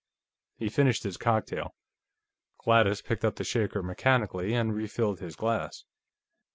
He finished his cocktail. Gladys picked up the shaker mechanically and refilled his glass.